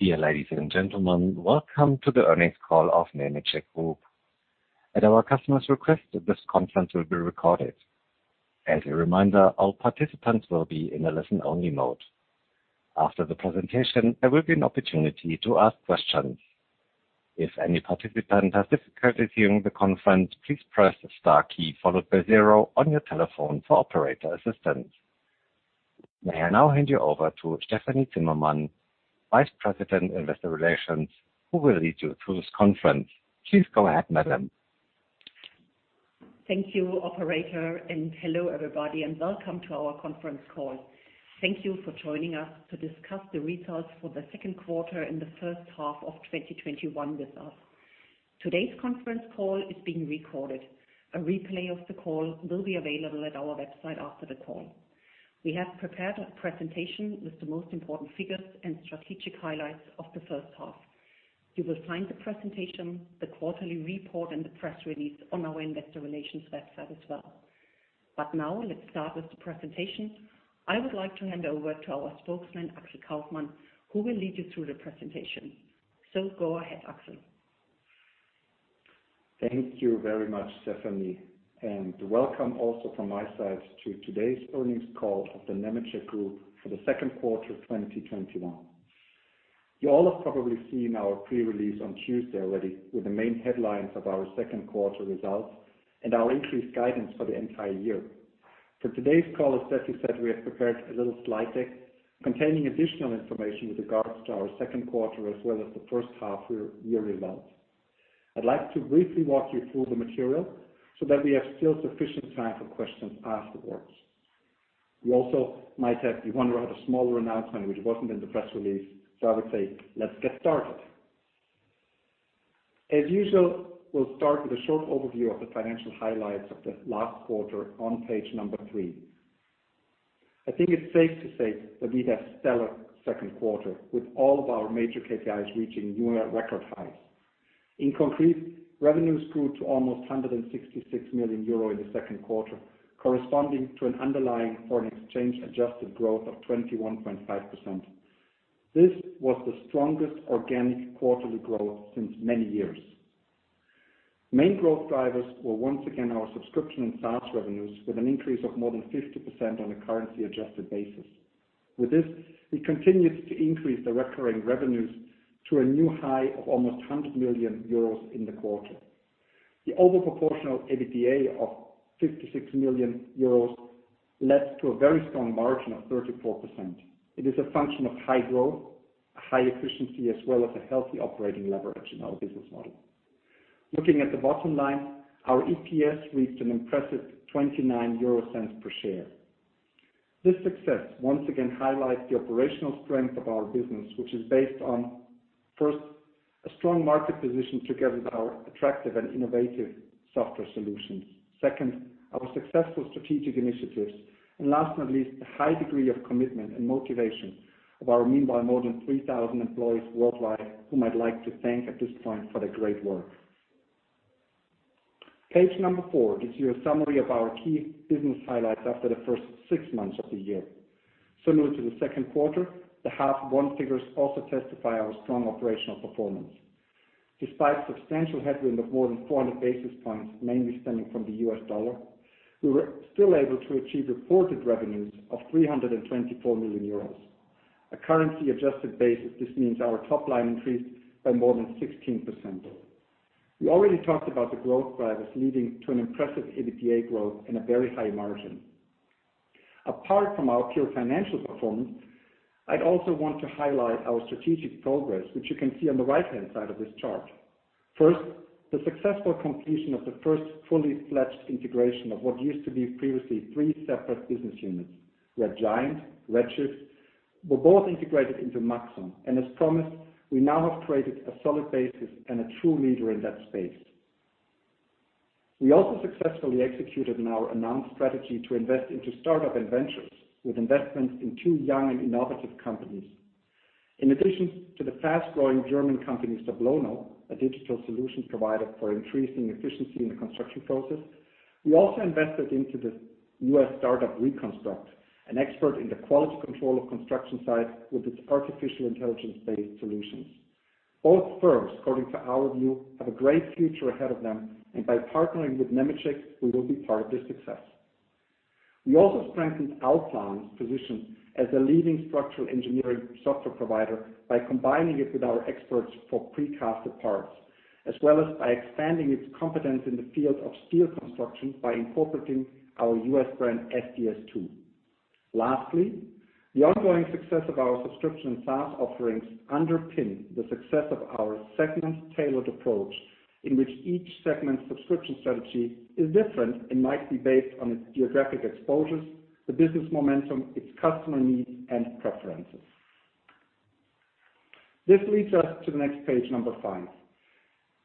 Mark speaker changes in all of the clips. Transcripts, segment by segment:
Speaker 1: Dear ladies and gentlemen, welcome to the earnings call of Nemetschek Group. At our customer's request, this conference will be recorded. As a reminder, all participants will be in a listen-only mode. After the presentation, there will be an opportunity to ask questions. If any participant has difficulty hearing the conference, please press the star key followed by zero on your telephone for operator assistance. May I now hand you over to Stefanie Zimmermann, Vice President Investor Relations, who will lead you through this conference. Please go ahead, madam.
Speaker 2: Thank you, operator, and hello, everybody, and welcome to our conference call. Thank you for joining us to discuss the results for the second quarter and the first half of 2021 with us. Today's conference call is being recorded. A replay of the call will be available at our website after the call. We have prepared a presentation with the most important figures and strategic highlights of the first half. You will find the presentation, the quarterly report, and the press release on our investor relations website as well. Now let's start with the presentation. I would like to hand over to our Spokesman, Axel Kaufmann, who will lead you through the presentation. Go ahead, Axel.
Speaker 3: Thank you very much, Stefanie, and welcome also from my side to today's earnings call of the Nemetschek Group for the second quarter of 2021. You all have probably seen our pre-release on Tuesday already with the main headlines of our second quarter results and our increased guidance for the entire year. For today's call, as Stefanie said, we have prepared a little slide deck containing additional information with regards to our second quarter as well as the first half-year results. I'd like to briefly walk you through the material so that we have still sufficient time for questions afterwards. We also might have you wondering about a smaller announcement, which wasn't in the press release. I would say, let's get started. As usual, we'll start with a short overview of the financial highlights of the last quarter on page number 3. I think it's safe to say that we've had a stellar 2nd quarter with all of our major KPIs reaching new record highs. In concrete, revenues grew to almost 166 million euro in the 2nd quarter, corresponding to an underlying foreign exchange-adjusted growth of 21.5%. This was the strongest organic quarterly growth since many years. Main growth drivers were once again our subscription and SaaS revenues, with an increase of more than 50% on a currency-adjusted basis. With this, we continued to increase the recurring revenues to a new high of almost 100 million euros in the quarter. The overproportional EBITDA of 56 million euros led to a very strong margin of 34%. It is a function of high growth, high efficiency, as well as a healthy operating leverage in our business model. Looking at the bottom line, our EPS reached an impressive 0.29 per share. This success once again highlights the operational strength of our business, which is based on, first, a strong market position together with our attractive and innovative software solutions. Second, our successful strategic initiatives, and last but not least, the high degree of commitment and motivation of our meanwhile more than 3,000 employees worldwide, whom I'd like to thank at this point for their great work. Page number four gives you a summary of our key business highlights after the first six months of the year. Similar to the second quarter, the half one figures also testify our strong operational performance. Despite substantial headwind of more than 400 basis points, mainly stemming from the US dollar, we were still able to achieve reported revenues of 324 million euros. At currency-adjusted basis, this means our top line increased by more than 16%. We already talked about the growth drivers leading to an impressive EBITDA growth and a very high margin. Apart from our pure financial performance, I'd also want to highlight our strategic progress, which you can see on the right-hand side of this chart. First, the successful completion of the first fully fledged integration of what used to be previously three separate business units, where Red Giant and Redshift were both integrated into Maxon, and as promised, we now have created a solid basis and a true leader in that space. We also successfully executed on our announced strategy to invest into startup and ventures with investments in two young and innovative companies. In addition to the fast-growing German company, Sablono, a digital solutions provider for increasing efficiency in the construction process, we also invested into the US startup Reconstruct, an expert in the quality control of construction sites with its artificial intelligence-based solutions. Both firms, according to our view, have a great future ahead of them, and by partnering with Nemetschek, we will be part of this success. We also strengthened Allplan's position as a leading structural engineering software provider by combining it with our experts for precast parts, as well as by expanding its competence in the field of steel construction by incorporating our US brand, SDS2. Lastly, the ongoing success of our subscription and SaaS offerings underpin the success of our segment-tailored approach, in which each segment subscription strategy is different and might be based on its geographic exposures, the business momentum, its customer needs, and preferences. This leads us to the next page, number 5.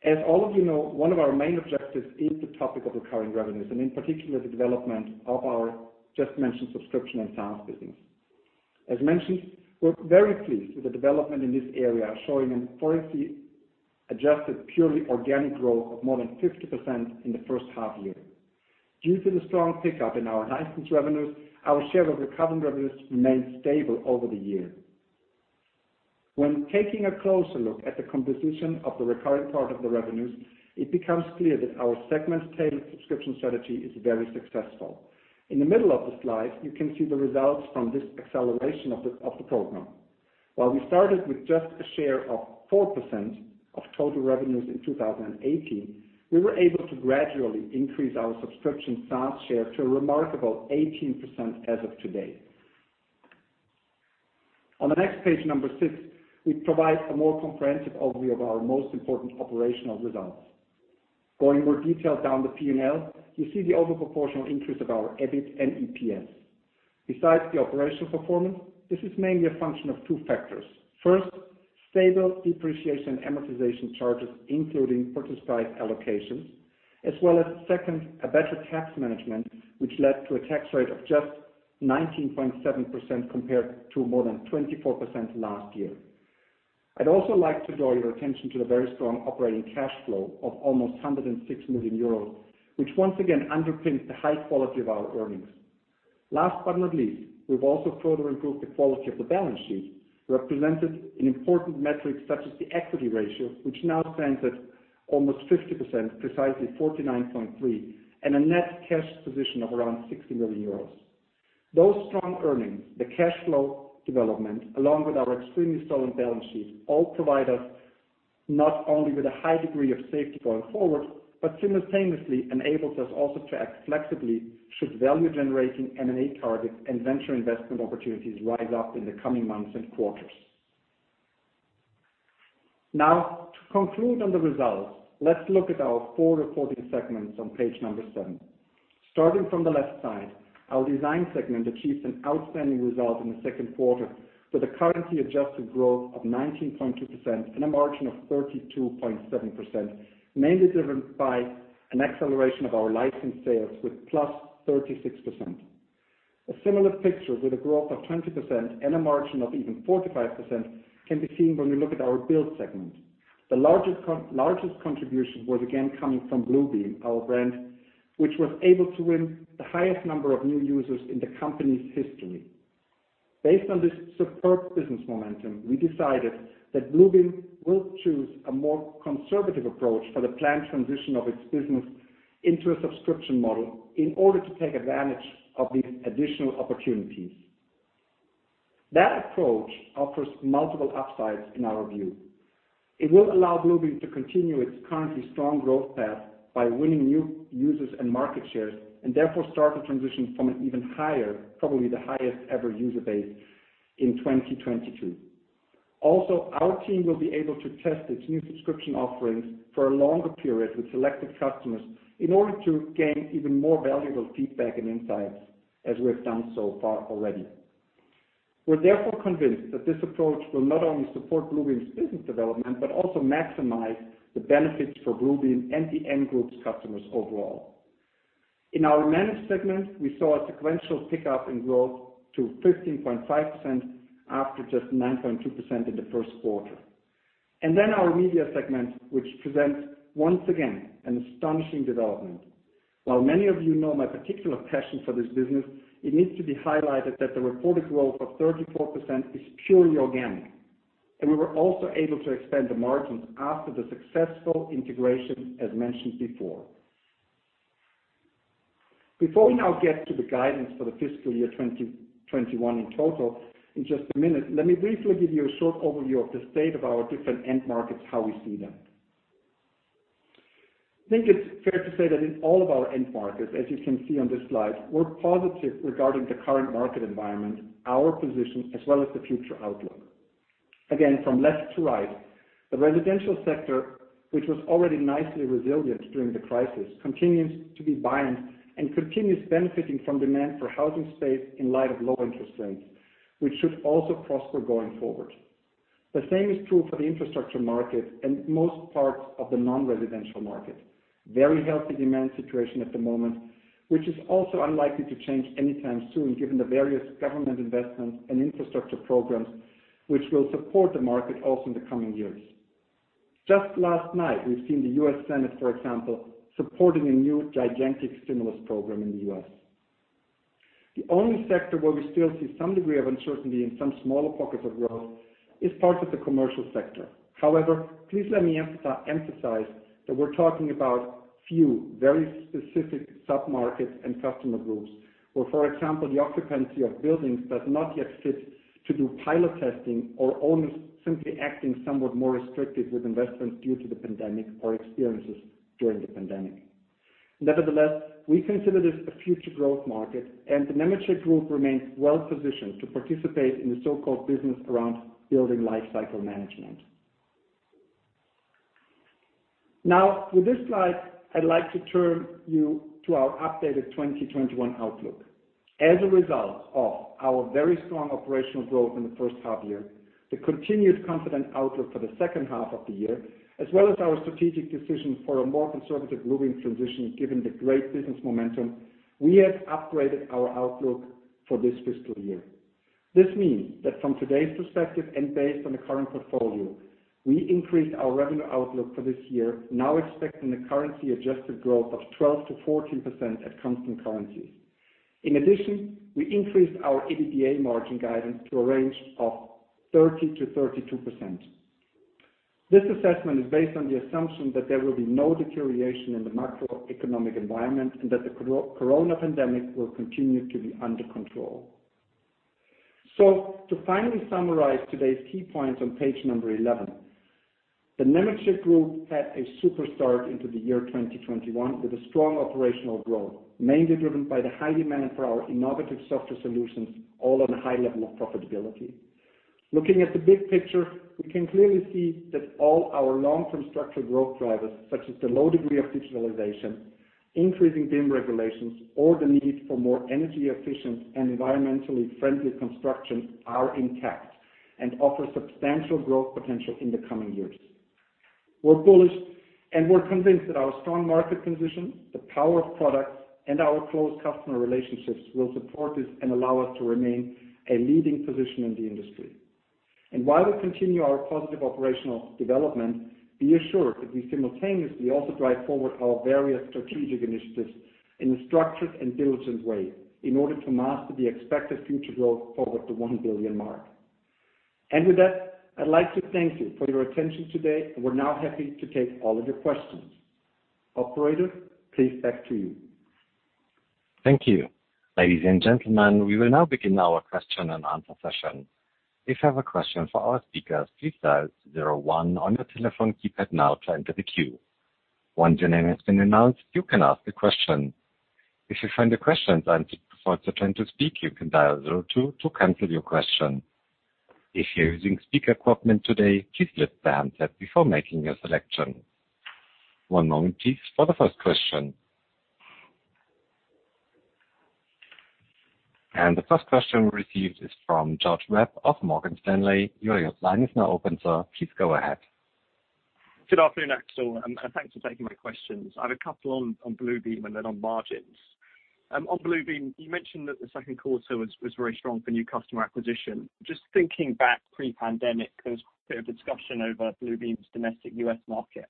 Speaker 3: As all of you know, one of our main objectives is the topic of recurring revenues, and in particular, the development of our just-mentioned subscription and SaaS business. As mentioned, we're very pleased with the development in this area, showing a currency-adjusted, purely organic growth of more than 50% in the first half year. Due to the strong pickup in our license revenues, our share of recurring revenues remained stable over the year. When taking a closer look at the composition of the recurring part of the revenues, it becomes clear that our segment-tailored subscription strategy is very successful. In the middle of the slide, you can see the results from this acceleration of the program. While we started with just a share of 4% of total revenues in 2018, we were able to gradually increase our subscription SaaS share to a remarkable 18% as of today. On the next page, number 6, we provide a more comprehensive overview of our most important operational results. Going more detailed down the P&L, you see the overproportional increase of our EBIT and EPS. Besides the operational performance, this is mainly a function of two factors. First, stable depreciation and amortization charges, including purchase price allocations, as well as second, a better tax management, which led to a tax rate of just 19.7% compared to more than 24% last year. I'd also like to draw your attention to the very strong operating cash flow of almost 106 million euros, which once again underpins the high quality of our earnings. Last but not least, we've also further improved the quality of the balance sheet, represented in important metrics such as the equity ratio, which now stands at almost 50%, precisely 49.3%, and a net cash position of around 60 million euros. Those strong earnings, the cash flow development, along with our extremely solid balance sheet, all provide us not only with a high degree of safety going forward, but simultaneously enables us also to act flexibly should value-generating M&A targets and venture investment opportunities rise up in the coming months and quarters. To conclude on the results, let's look at our four reporting segments on page number seven. Starting from the left side, our design segment achieves an outstanding result in the second quarter with a currency-adjusted growth of 19.2% and a margin of 32.7%, mainly driven by an acceleration of our license sales with plus 36%. A similar picture with a growth of 20% and a margin of even 45% can be seen when we look at our build segment. The largest contribution was again coming from Bluebeam, our brand, which was able to win the highest number of new users in the company's history. Based on this superb business momentum, we decided that Bluebeam will choose a more conservative approach for the planned transition of its business into a subscription model in order to take advantage of these additional opportunities. That approach offers multiple upsides in our view. It will allow Bluebeam to continue its currently strong growth path by winning new users and market shares, and therefore start the transition from an even higher, probably the highest ever user base in 2022. Our team will be able to test its new subscription offerings for a longer period with selected customers in order to gain even more valuable feedback and insights as we have done so far already. We're therefore convinced that this approach will not only support Bluebeam's business development, but also maximize the benefits for Bluebeam and the Nemetschek Group's customers overall. In our manage segment, we saw a sequential pickup in growth to 15.5% after just 9.2% in the first quarter. Our media segment, which presents once again an astonishing development. While many of you know my particular passion for this business, it needs to be highlighted that the reported growth of 34% is purely organic. We were also able to expand the margins after the successful integration, as mentioned before. Before we now get to the guidance for the fiscal year 2021 in total, in just a minute, let me briefly give you a short overview of the state of our different end markets, how we see them. I think it's fair to say that in all of our end markets, as you can see on this slide, we are positive regarding the current market environment, our position, as well as the future outlook. Again, from left to right, the residential sector, which was already nicely resilient during the crisis, continues to be buoyant and continues benefiting from demand for housing space in light of low interest rates, which should also prosper going forward. The same is true for the infrastructure market and most parts of the non-residential market. Very healthy demand situation at the moment, which is also unlikely to change anytime soon given the various government investments and infrastructure programs which will support the market also in the coming years. Just last night, we've seen the U.S. Senate, for example, supporting a new gigantic stimulus program in the U.S. The only sector where we still see some degree of uncertainty in some smaller pockets of growth is parts of the commercial sector. However, please let me emphasize that we're talking about few, very specific sub-markets and customer groups, where, for example, the occupancy of buildings does not yet fit for pilot testing testing or owners simply acting somewhat more restrictive with investments due to the pandemic or experiences during the pandemic. Nevertheless, we consider this a future growth market and the Nemetschek Group remains well positioned to participate in the so-called business around building life cycle management. With this slide, I'd like to turn you to our updated 2021 outlook. As a result of our very strong operational growth in the first half-year, the continued confident outlook for the second half of the year, as well as our strategic decision for a more conservative Bluebeam transition given the great business momentum, we have upgraded our outlook for this fiscal year. This means that from today's perspective and based on the current portfolio, we increased our revenue outlook for this year, now expecting the currency-adjusted growth of 12%-14% at constant currencies. We increased our EBITDA margin guidance to a range of 30%-32%. This assessment is based on the assumption that there will be no deterioration in the macroeconomic environment and that the coronavirus pandemic will continue to be under control. To finally summarize today's key points on page number 11. The Nemetschek Group had a super start into the year 2021 with a strong operational growth, mainly driven by the high demand for our innovative software solutions, all at a high level of profitability. Looking at the big picture, we can clearly see that all our long-term structural growth drivers, such as the low degree of digitalization, increasing BIM regulations, or the need for more energy efficient and environmentally friendly construction are intact and offer substantial growth potential in the coming years. We're bullish, and we're convinced that our strong market position, the power of products, and our close customer relationships will support this and allow us to remain a leading position in the industry. While we continue our positive operational development, be assured that we simultaneously also drive forward our various strategic initiatives in a structured and diligent way in order to master the expected future growth forward the 1 billion mark. With that, I'd like to thank you for your attention today, and we're now happy to take all of your questions. Operator, please back to you.
Speaker 1: Thank you. Ladies and gentlemen, we will now begin our question and answer session. The first question received is from George Webb of Morgan Stanley. Your line is now open, sir. Please go ahead.
Speaker 4: Good afternoon, Axel. Thanks for taking my questions. I have a couple on Bluebeam and then on margins. On Bluebeam, you mentioned that the 2nd quarter was very strong for new customer acquisition. Just thinking back pre-pandemic, there was a bit of a discussion over Bluebeam's domestic U.S. market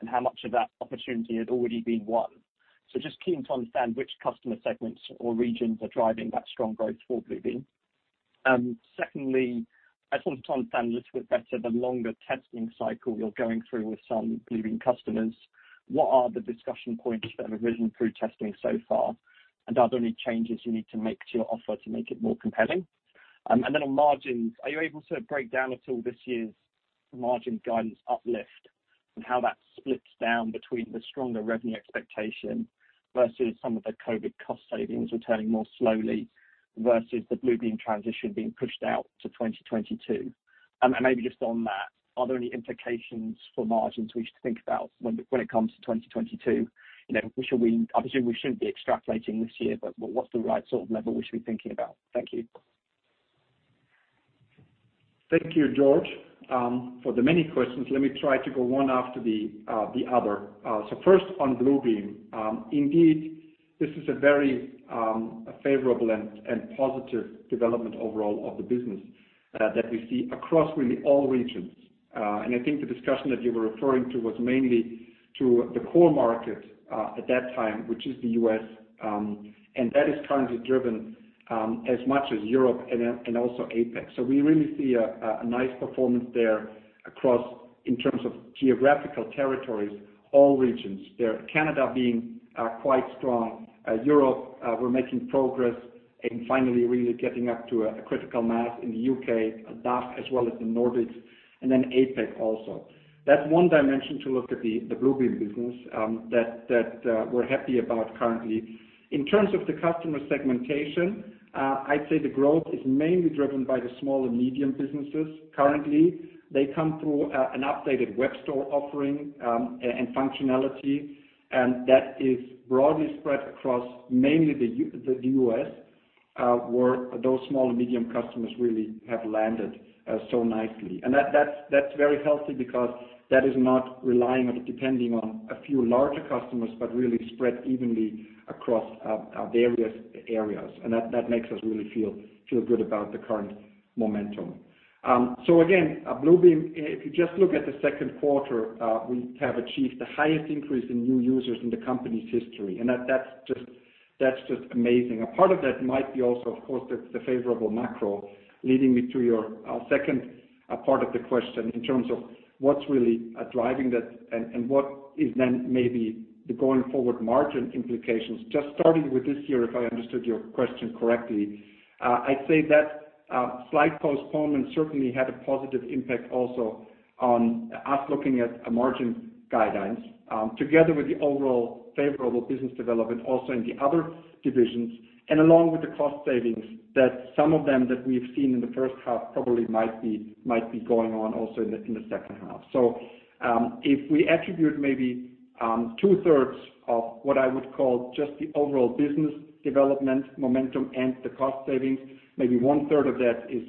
Speaker 4: and how much of that opportunity had already been won. Just keen to understand which customer segments or regions are driving that strong growth for Bluebeam. Secondly, I just want to understand this a bit better, the longer testing cycle you're going through with some Bluebeam customers. What are the discussion points that have arisen through testing so far? Are there any changes you need to make to your offer to make it more compelling? On margins, are you able to break down at all this year's margin guidance uplift and how that splits down between the stronger revenue expectation versus some of the COVID cost savings returning more slowly versus the Bluebeam transition being pushed out to 2022? Maybe just on that, are there any implications for margins we should think about when it comes to 2022? Obviously, we shouldn't be extrapolating this year, but what's the right sort of level we should be thinking about? Thank you.
Speaker 3: Thank you, George, for the many questions. Let me try to go one after the other. First on Bluebeam. Indeed, this is a very favorable and positive development overall of the business that we see across really all regions. I think the discussion that you were referring to was mainly to the core market, at that time, which is the U.S., and that is currently driven as much as Europe and also APAC. We really see a nice performance there across, in terms of geographical territories, all regions there. Canada being quite strong. Europe, we're making progress and finally really getting up to a critical mass in the U.K., DACH, as well as the Nordics. Then APAC also. That's one dimension to look at the Bluebeam business that we're happy about currently. In terms of the customer segmentation, I'd say the growth is mainly driven by the small and medium businesses currently. They come through an updated web store offering and functionality, and that is broadly spread across mainly the U.S., where those small and medium customers really have landed so nicely. That's very healthy because that is not relying or depending on a few larger customers, but really spread evenly across various areas. That makes us really feel good about the current momentum. Again, Bluebeam, if you just look at the second quarter, we have achieved the highest increase in new users in the company's history. That's just amazing. A part of that might be also, of course, the favorable macro, leading me to your second part of the question in terms of what's really driving that and what is then maybe the going forward margin implications. Just starting with this year, if I understood your question correctly. I'd say that slight postponement certainly had a positive impact also on us looking at margin guidelines, together with the overall favorable business development also in the other divisions, and along with the cost savings that some of them that we've seen in the first half probably might be going on also in the second half. If we attribute maybe two-thirds of what I would call just the overall business development momentum and the cost savings, maybe one-third of that is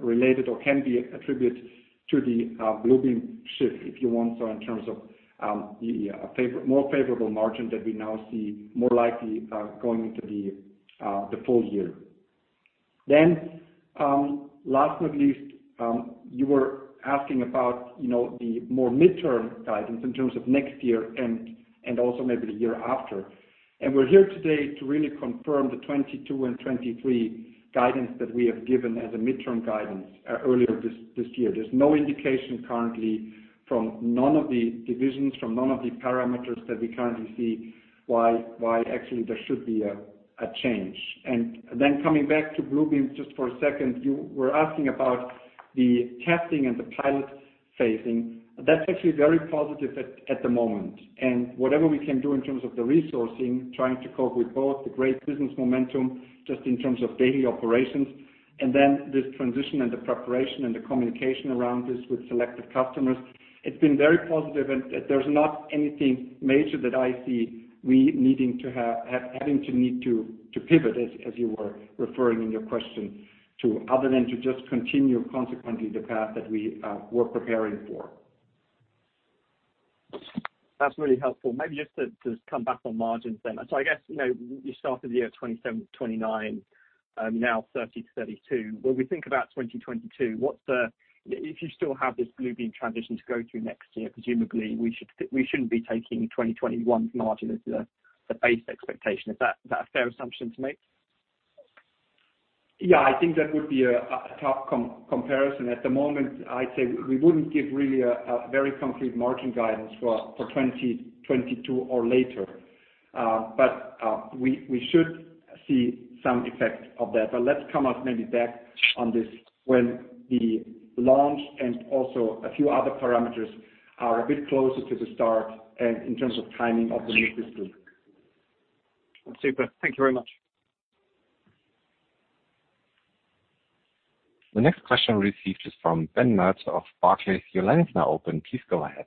Speaker 3: related or can be attributed to the Bluebeam shift, if you want, so in terms of a more favorable margin that we now see more likely going into the full year. Last but not least, you were asking about the more midterm guidance in terms of next year and also maybe the year after. We're here today to really confirm the 2022 and 2023 guidance that we have given as a midterm guidance earlier this year. There's no indication currently from none of the divisions, from none of the parameters, that we currently see why actually there should be a change. Coming back to Bluebeam just for a second, you were asking about the testing and the pilot phases. That's actually very positive at the moment, and whatever we can do in terms of the resourcing, trying to cope with both the great business momentum just in terms of daily operations and then this transition and the preparation and the communication around this with selected customers, it's been very positive and there's not anything major that I see us having to pivot as you were referring in your question to, other than to just continue consequently the path that we were preparing for.
Speaker 4: That's really helpful. Maybe just to come back on margins then. I guess, you started the year at 27%-29%, now 30%-32%. We think about 2022, if you still have this Bluebeam transition to go through next year, presumably we shouldn't be taking 2021 margin as the base expectation. Is that a fair assumption to make?
Speaker 3: Yeah, I think that would be a tough comparison. At the moment, I'd say we wouldn't give really a very concrete margin guidance for 2022 or later. We should see some effect of that. Let's come maybe back on this when the launch and also a few other parameters are a bit closer to the start and in terms of timing of the new system.
Speaker 4: Super. Thank you very much.
Speaker 1: The next question received is from Sven Merkt of Barclays. Your line is now open. Please go ahead.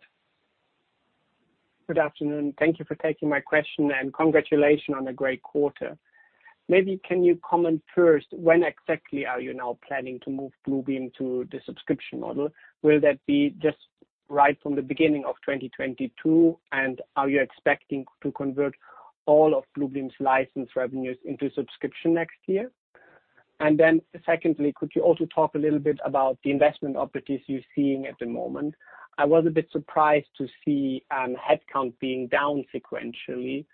Speaker 5: Good afternoon. Thank you for taking my question and congratulations on a great quarter. Maybe can you comment first, when exactly are you now planning to move Bluebeam to the subscription model? Will that be just right from the beginning of 2022? Are you expecting to convert all of Bluebeam's license revenues into subscription next year? Secondly, could you also talk a little bit about the investment opportunities you're seeing at the moment? I was a bit surprised to see headcount being down sequentially,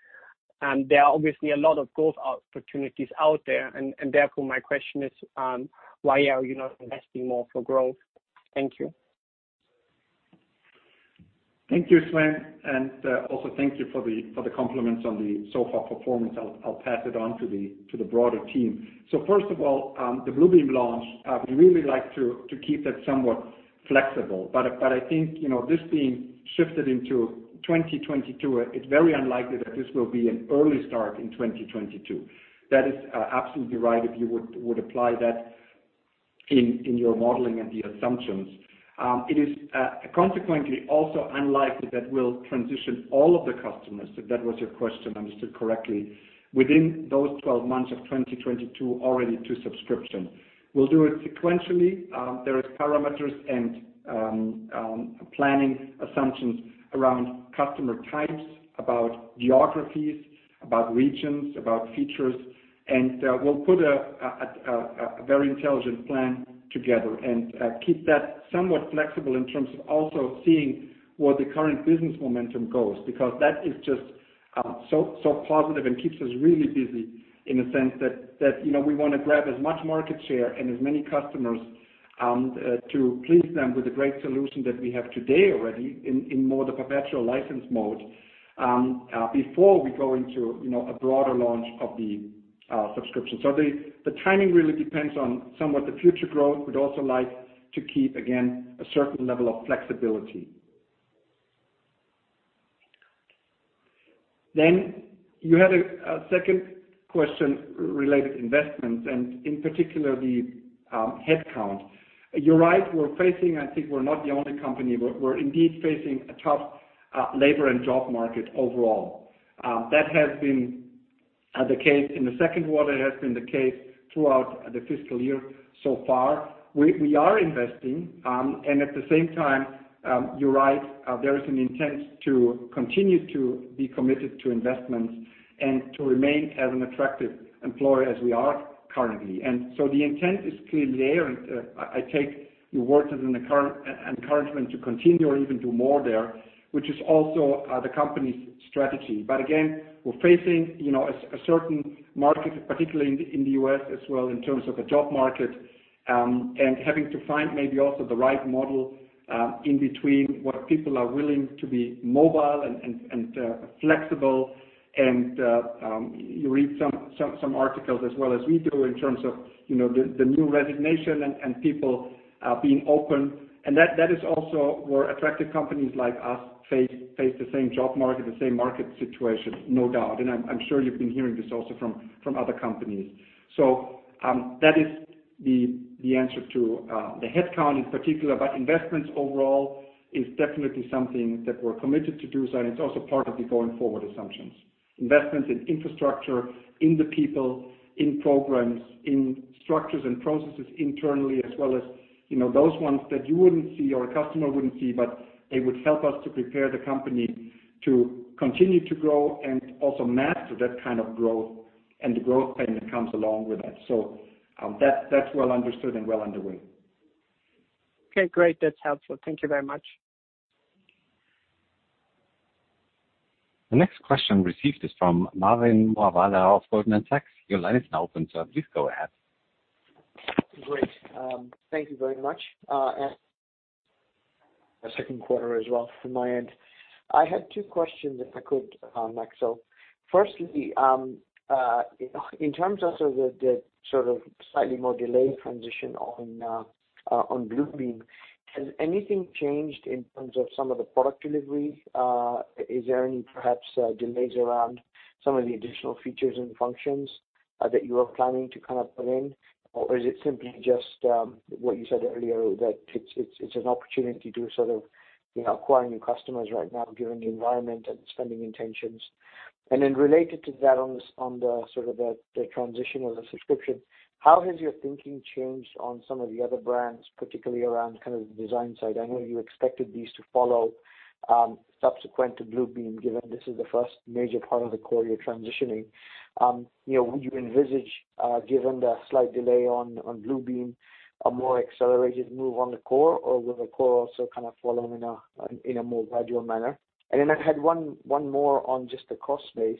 Speaker 5: and there are obviously a lot of growth opportunities out there. Therefore, my question is, why are you not investing more for growth? Thank you.
Speaker 3: Thank you, Sven, and also thank you for the compliments on the so-far performance. I'll pass it on to the broader team. First of all, the Bluebeam launch, we really like to keep that somewhat flexible, but I think this being shifted into 2022, it's very unlikely that this will be an early start in 2022. That is absolutely right if you would apply that in your modeling and the assumptions. It is consequently also unlikely that we'll transition all of the customers, if that was your question understood correctly, within those 12 months of 2022 already to subscription. We'll do it sequentially. There is parameters and planning assumptions around customer types, about geographies, about regions, about features, and we'll put a very intelligent plan together and keep that somewhat flexible in terms of also seeing where the current business momentum goes, because that is just so positive and keeps us really busy in the sense that we want to grab as much market share and as many customers to please them with a great solution that we have today already in more the perpetual license mode, before we go into a broader launch of the subscription. The timing really depends on somewhat the future growth. We'd also like to keep, again, a certain level of flexibility. You had a second question related to investments and in particular the headcount. You're right, we're facing, I think we're not the only company, but we're indeed facing a tough labor and job market overall. That has been the case in the second quarter, it has been the case throughout the fiscal year so far. We are investing, and at the same time, you're right, there is an intent to continue to be committed to investments and to remain as an attractive employer as we are currently. The intent is clearly there, and I take your words as an encouragement to continue or even do more there, which is also the company's strategy. Again, we're facing a certain market, particularly in the U.S. as well, in terms of a job market, and having to find maybe also the right model in between what people are willing to be mobile and flexible and you read some articles as well as we do in terms of the new resignation and people being open, and that is also where attractive companies like us face the same job market, the same market situation, no doubt. I'm sure you've been hearing this also from other companies. That is the answer to the headcount in particular. Investments overall is definitely something that we're committed to do, Sven. It's also part of the going forward assumptions. Investments in infrastructure, in the people, in programs, in structures and processes internally, as well as those ones that you wouldn't see or a customer wouldn't see, but they would help us to prepare the company to continue to grow and also master that kind of growth and the growth pain that comes along with it. That's well understood and well underway.
Speaker 5: Okay, great. That's helpful. Thank you very much.
Speaker 1: The next question received is from Mohammed Moawalla of Goldman Sachs. Your line is now open, sir. Please go ahead.
Speaker 6: Great. Thank you very much. The second quarter as well from my end. I had 2 questions, if I could, ask. Firstly, in terms of the sort of slightly more delayed transition on Bluebeam, has anything changed in terms of some of the product delivery? Is there any, perhaps, delays around some of the additional features and functions that you are planning to put in? Or is it simply just what you said earlier, that it's an opportunity to acquire new customers right now, given the environment and spending intentions? Related to that on the transition of the subscription, how has your thinking changed on some of the other brands, particularly around the design side? I know you expected these to follow subsequent to Bluebeam, given this is the first major part of the core you're transitioning. Would you envisage, given the slight delay on Bluebeam, a more accelerated move on the core, or will the core also follow in a more gradual manner? I had one more on just the cost base.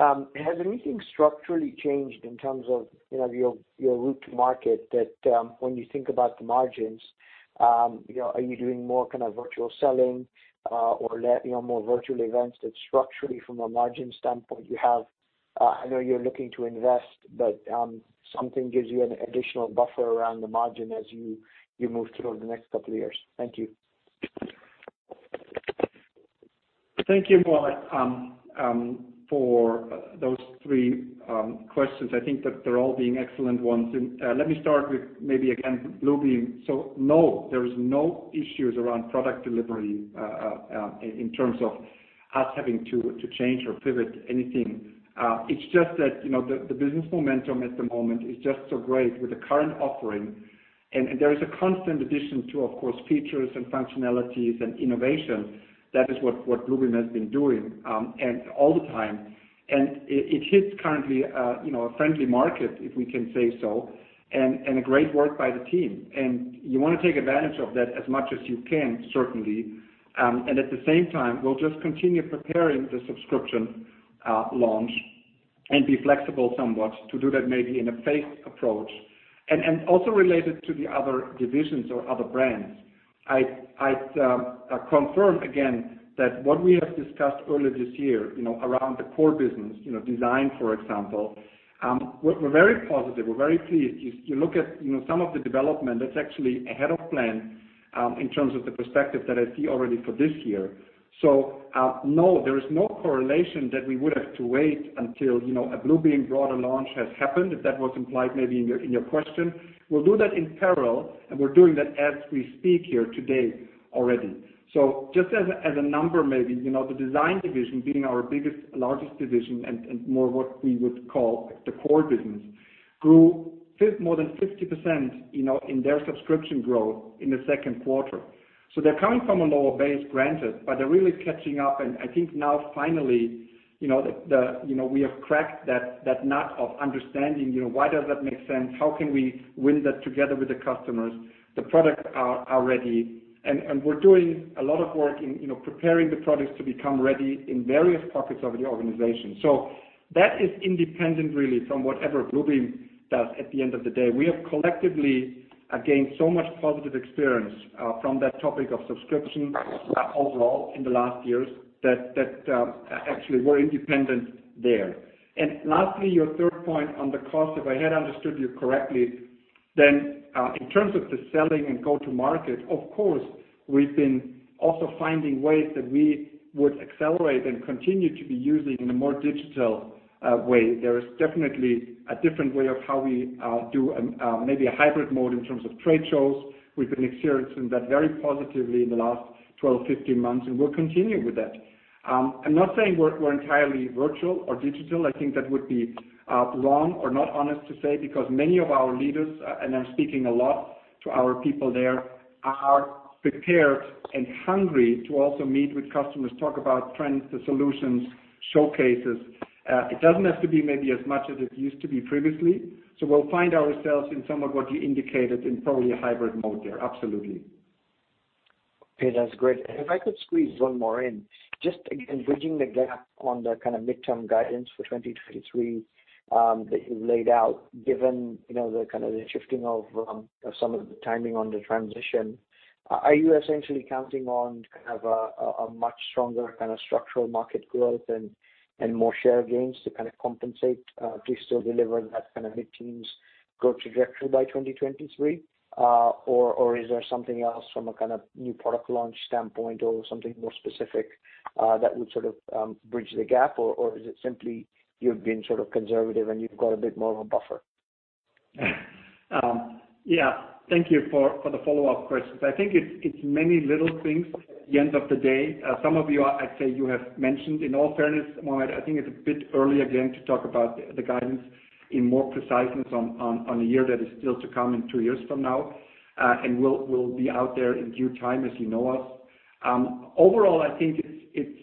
Speaker 6: Has anything structurally changed in terms of your route to market that when you think about the margins, are you doing more virtual selling or more virtual events that structurally, from a margin standpoint, I know you're looking to invest, but something gives you an additional buffer around the margin as you move through the next couple of years. Thank you.
Speaker 3: Thank you, Moawalla, for those three questions. I think that they're all being excellent ones. Let me start with, maybe again, Bluebeam. No, there is no issues around product delivery in terms of us having to change or pivot anything. It's just that the business momentum at the moment is just so great with the current offering. There is a constant addition to, of course, features and functionalities and innovation. That is what Bluebeam has been doing all the time. It hits currently a friendly market, if we can say so, and a great work by the team. You want to take advantage of that as much as you can, certainly. At the same time, we'll just continue preparing the subscription launch and be flexible somewhat to do that, maybe in a phased approach. Also related to the other divisions or other brands, I'd confirm again that what we have discussed earlier this year around the core business, Design, for example, we're very positive. We're very pleased. If you look at some of the development that's actually ahead of plan in terms of the perspective that I see already for this year. No, there is no correlation that we would have to wait until a Bluebeam broader launch has happened, if that was implied, maybe in your question. We'll do that in parallel, and we're doing that as we speak here today already. Just as a number maybe, the Design division being our biggest, largest division and more what we would call the core business, grew more than 50% in their subscription growth in the second quarter. They're coming from a lower base, granted, but they're really catching up. I think now finally we have cracked that nut of understanding why does that make sense? How can we win that together with the customers? The products are ready, and we're doing a lot of work in preparing the products to become ready in various pockets of the organization. That is independent, really, from whatever Bluebeam does at the end of the day. We have collectively gained so much positive experience from that topic of subscription overall in the last years that actually we're independent there. Lastly, your third point on the cost. If I had understood you correctly, in terms of the selling and go-to market, of course, we've been also finding ways that we would accelerate and continue to be using in a more digital way. There is definitely a different way of how we do maybe a hybrid mode in terms of trade shows. We've been experiencing that very positively in the last 12, 15 months, and we'll continue with that. I'm not saying we're entirely virtual or digital. I think that would be wrong or not honest to say, because many of our leaders, and I'm speaking a lot to our people there, are prepared and hungry to also meet with customers, talk about trends, the solutions, showcases. It doesn't have to be maybe as much as it used to be previously. We'll find ourselves in some of what you indicated in probably a hybrid mode there, absolutely.
Speaker 6: Okay. That's great. If I could squeeze one more in. Just again, bridging the gap on the midterm guidance for 2023 that you laid out, given the shifting of some of the timing on the transition, are you essentially counting on a much stronger structural market growth and more share gains to compensate to still deliver that mid-teens growth trajectory by 2023? Is there something else from a new product launch standpoint or something more specific that would bridge the gap? Is it simply you're being conservative and you've got a bit more of a buffer?
Speaker 3: Yeah. Thank you for the follow-up questions. I think it's many little things at the end of the day. Some of you, I'd say you have mentioned, in all fairness, Mohammed, I think it's a bit early again to talk about the guidance in more preciseness on a year that is still to come and two years from now. We'll be out there in due time as you know us. Overall, I think it's,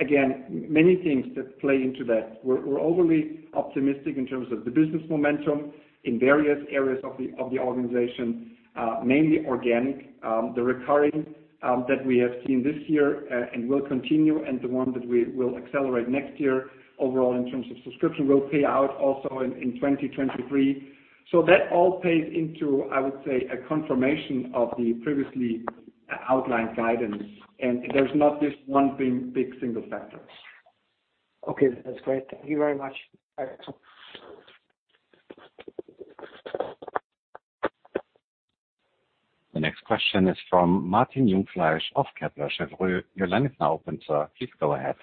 Speaker 3: again, many things that play into that. We're overly optimistic in terms of the business momentum in various areas of the organization, mainly organic. The recurring that we have seen this year and will continue, and the one that we will accelerate next year overall in terms of subscription will pay out also in 2023. That all plays into, I would say, a confirmation of the previously outlined guidance, and there's not this one big, single factor.
Speaker 6: Okay, that's great. Thank you very much, Axel.
Speaker 1: The next question is from Martin Jungfleisch of Kepler Cheuvreux. Your line is now open, sir. Please go ahead.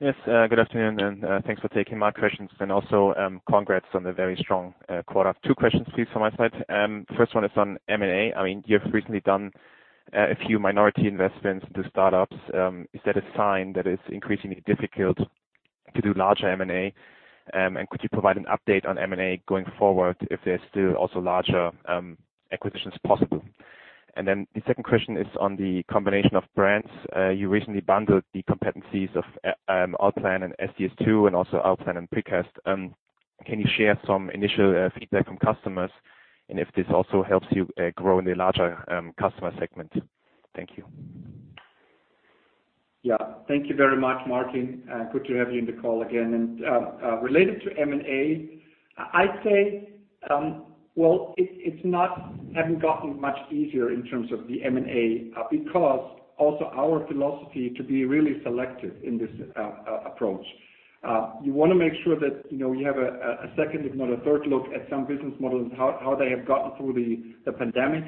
Speaker 7: Yes, good afternoon, and thanks for taking my questions, and also congrats on the very strong quarter. Two questions, please, from my side. First one is on M&A. You have recently done a few minority investments into startups. Is that a sign that it's increasingly difficult to do larger M&A? Could you provide an update on M&A going forward if there's still also larger acquisitions possible? The Second question is on the combination of brands. You recently bundled the competencies of Allplan and SDS2 and also Allplan and Precast. Can you share some initial feedback from customers and if this also helps you grow in the larger customer segment? Thank you.
Speaker 3: Yeah. Thank you very much, Martin. Good to have you on the call again. Related to M&A, I'd say, well, it's not gotten much easier in terms of the M&A, because also our philosophy to be really selective in this approach. You want to make sure that you have a second, if not a third look at some business models and how they have gotten through the pandemic,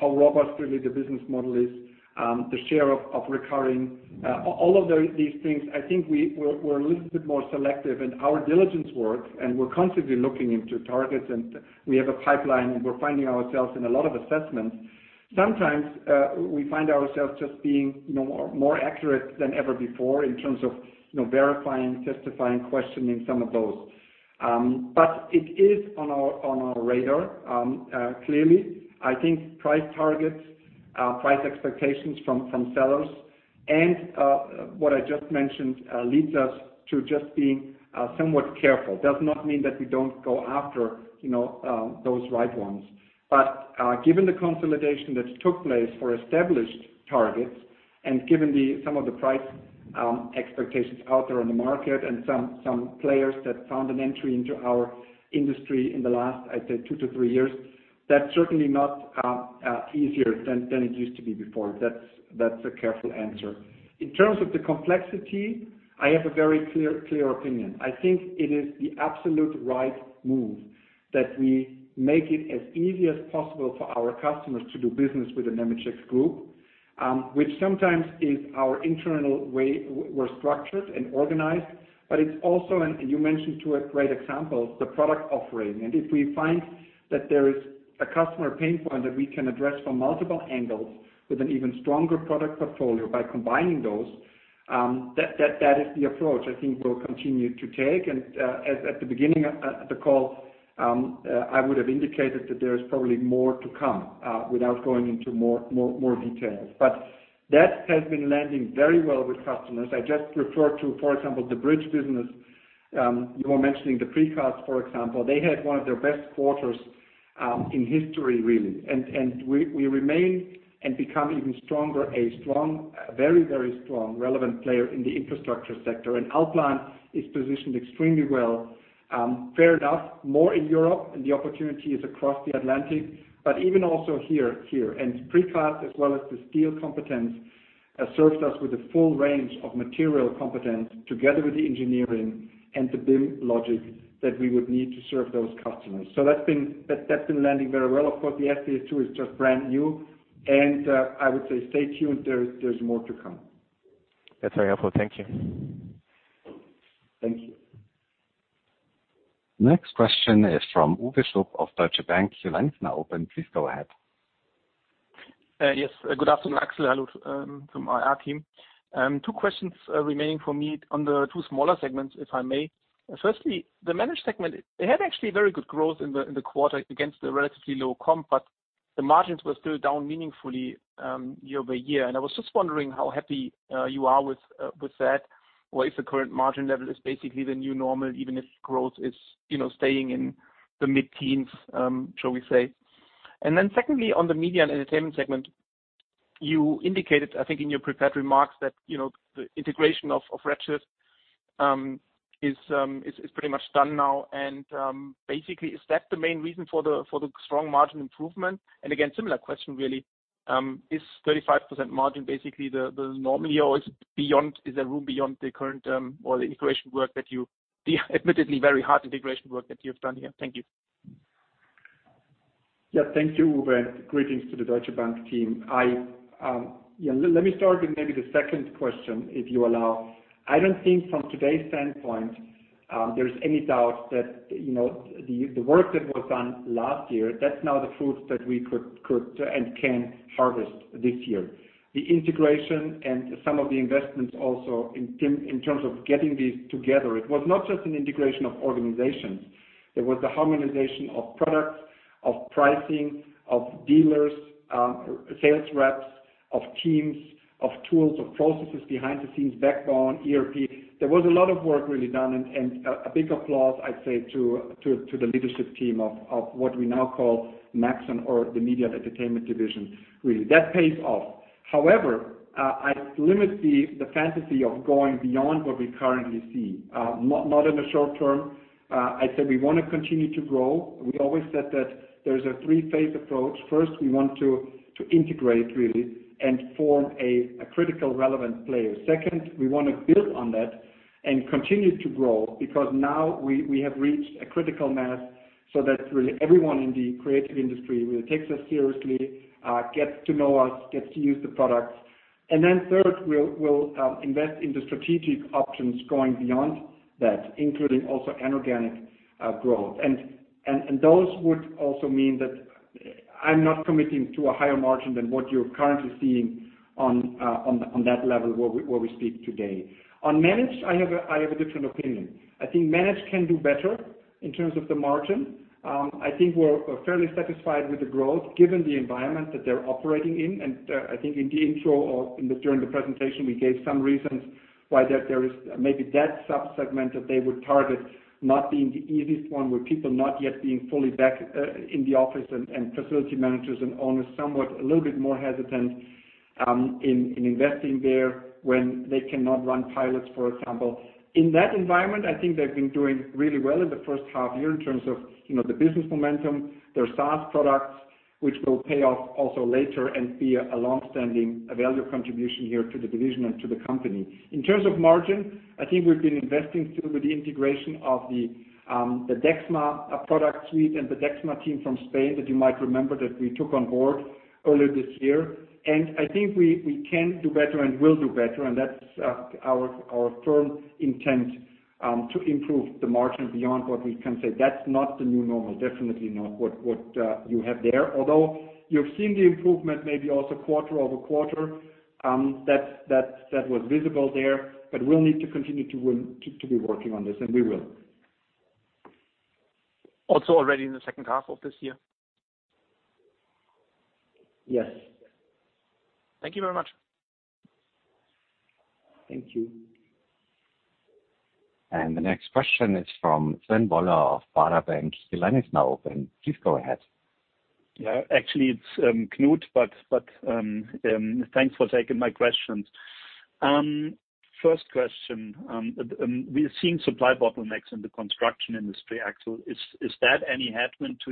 Speaker 3: how robust really the business model is, the share of recurring, all of these things. I think we're a little bit more selective in our diligence work, and we're constantly looking into targets, and we have a pipeline, and we're finding ourselves in a lot of assessments. Sometimes we find ourselves just being more accurate than ever before in terms of verifying, testifying, questioning some of those. It is on our radar, clearly. I think price targets, price expectations from sellers, and what I just mentioned leads us to just being somewhat careful. Does not mean that we don't go after those right ones. Given the consolidation that took place for established targets and given some of the price expectations out there on the market and some players that found an entry into our industry in the last, I'd say 2 to 3 years, that's certainly not easier than it used to be before. That's a careful answer. In terms of the complexity, I have a very clear opinion. I think it is the absolute right move that we make it as easy as possible for our customers to do business with the Nemetschek Group, which sometimes is our internal way we're structured and organized. It's also, and you mentioned 2 great examples, the product offering. If we find that there is a customer pain point that we can address from multiple angles with an even stronger product portfolio by combining those, that is the approach I think we'll continue to take. At the beginning of the call, I would've indicated that there is probably more to come without going into more details. That has been landing very well with customers. I just referred to, for example, the bridge business. You were mentioning the Precast, for example. They had one of their best quarters in history, really. We remain and become even stronger, a very strong, relevant player in the infrastructure sector. Allplan is positioned extremely well, fair enough, more in Europe, and the opportunity is across the Atlantic, but even also here. Precast as well as the steel competence serves us with a full range of material competence together with the engineering and the BIM logic that we would need to serve those customers. That's been landing very well. Of course, the SDS2 is just brand new, and I would say stay tuned. There's more to come.
Speaker 7: That's very helpful. Thank you.
Speaker 3: Thank you.
Speaker 1: Next question is from Uwe Schupp of Deutsche Bank. Your line is now open. Please go ahead.
Speaker 8: Yes. Good afternoon, Axel. Hello to our team. Two questions remaining for me on the two smaller segments, if I may. Firstly, the Manage segment. It had actually very good growth in the quarter against the relatively low comp, but the margins were still down meaningfully year-over-year. I was just wondering how happy you are with that, or if the current margin level is basically the new normal, even if growth is staying in the mid-teens, shall we say? Then secondly, on the Media and Entertainment segment, you indicated, I think in your prepared remarks that the integration of Redshift is pretty much done now. Basically, is that the main reason for the strong margin improvement? Again, similar question really, is 35% margin basically the normal year, or is there room beyond the current or the admittedly very hard integration work that you have done here? Thank you.
Speaker 3: Yeah. Thank you, Uwe. Greetings to the Deutsche Bank team. Let me start with maybe the second question, if you allow. I don't think from today's standpoint there's any doubt that the work that was done last year, that's now the fruit that we could and can harvest this year. The integration and some of the investments also in terms of getting these together, it was not just an integration of organizations. It was a harmonization of products, of pricing, of dealers, sales reps, of teams, of tools, of processes behind the scenes, backbone, ERP. There was a lot of work really done and a big applause, I'd say, to the leadership team of what we now call Maxon or the Media and Entertainment division, really. That pays off. However, I limit the fantasy of going beyond what we currently see. Not in the short term. I said we want to continue to grow. We always said that there's a 3-phase approach. First, we want to integrate, really, and form a critical relevant player. Second, we want to build on that and continue to grow because now we have reached a critical mass so that really everyone in the creative industry really takes us seriously, gets to know us, gets to use the products. Third, we'll invest in the strategic options going beyond that, including also inorganic growth. Those would also mean that I'm not committing to a higher margin than what you're currently seeing on that level where we speak today. On Manage, I have a different opinion. I think Manage can do better in terms of the margin. I think we're fairly satisfied with the growth, given the environment that they're operating in. I think in the intro or during the presentation, we gave some reasons why that there is maybe that sub-segment that they would target not being the easiest one, with people not yet being fully back in the office and facility managers and owners somewhat a little bit more hesitant in investing there when they cannot run pilots, for example. In that environment, I think they've been doing really well in the first half-year in terms of the business momentum, their SaaS products, which will pay off also later and be a longstanding value contribution here to the division and to the company. In terms of margin, I think we've been investing still with the integration of the Dexma product suite and the Dexma team from Spain that you might remember that we took on board earlier this year. I think we can do better and will do better, and that's our firm intent, to improve the margin beyond what we can say. That's not the new normal, definitely not what you have there. Although you've seen the improvement maybe also quarter-over-quarter, that was visible there. We'll need to continue to be working on this, and we will.
Speaker 8: Already in the second half of this year?
Speaker 3: Yes.
Speaker 8: Thank you very much.
Speaker 3: Thank you.
Speaker 1: The next question is from Sven Bollinger of Baader Bank. The line is now open. Please go ahead.
Speaker 9: Actually, it's Knut Woller. Thanks for taking my questions. First question. We're seeing supply bottlenecks in the construction industry actually. Is that any headwind to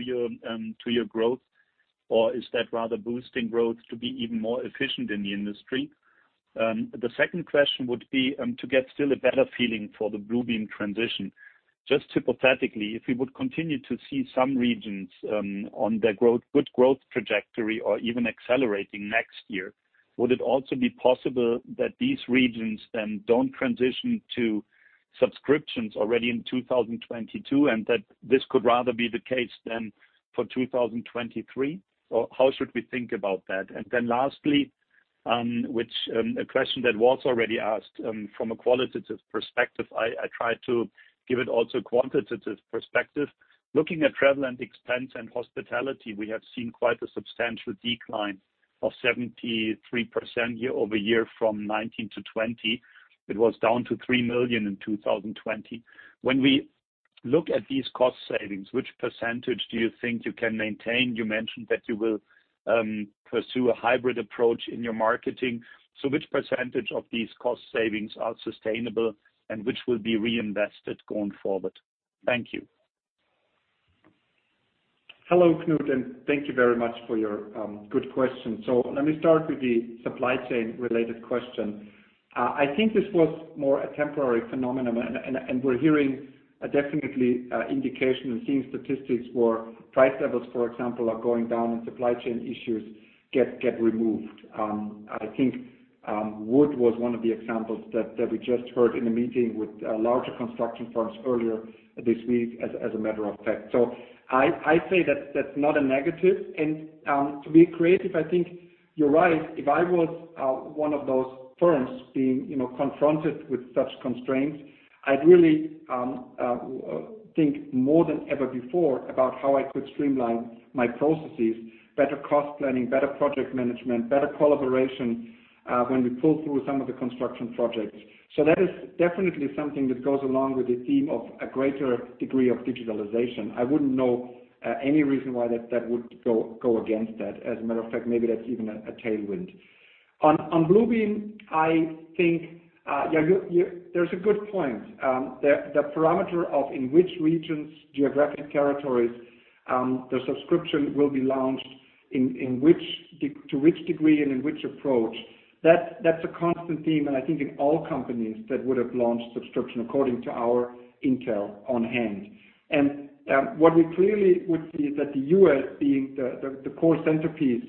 Speaker 9: your growth, or is that rather boosting growth to be even more efficient in the industry? The second question would be to get still a better feeling for the Bluebeam transition. Just hypothetically, if we would continue to see some regions on their good growth trajectory or even accelerating next year, would it also be possible that these regions then don't transition to subscriptions already in 2022, and that this could rather be the case then for 2023? How should we think about that? Lastly, which a question that was already asked from a qualitative perspective, I try to give it also quantitative perspective. Looking at travel and expense and hospitality, we have seen quite a substantial decline of 73% year-over-year from 2019-2020. It was down to 3 million in 2020. When we look at these cost savings, which percentage do you think you can maintain? You mentioned that you will pursue a hybrid approach in your marketing. Which percentage of these cost savings are sustainable and which will be reinvested going forward? Thank you.
Speaker 3: Hello, Knut. Thank you very much for your good question. Let me start with the supply chain related question. I think this was more a temporary phenomenon and we're hearing definitely indication and seeing statistics where price levels, for example, are going down and supply chain issues get removed. I think wood was one of the examples that we just heard in a meeting with larger construction firms earlier this week, as a matter of fact. I say that's not a negative. To be creative, I think you're right. If I was one of those firms being confronted with such constraints, I'd really think more than ever before about how I could streamline my processes, better cost planning, better project management, better collaboration, when we pull through some of the construction projects. That is definitely something that goes along with the theme of a greater degree of digitalization. I wouldn't know any reason why that would go against that. As a matter of fact, maybe that's even a tailwind. On Bluebeam, I think there's a good point. The parameter of in which regions, geographic territories, the subscription will be launched. In which to which degree and in which approach, that's a constant theme and I think in all companies that would have launched subscription according to our intel on hand. What we clearly would see is that the U.S. being the core centerpiece